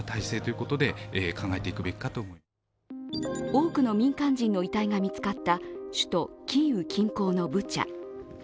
多くの民間人の遺体が見つかった首都キーウ近郊の街ブチャ。